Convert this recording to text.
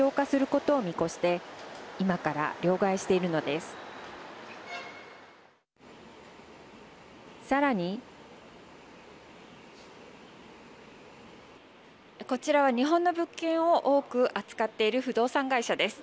こちらは、日本の物件を多く扱っている不動産会社です。